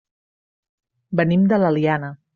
Venim de l'Eliana.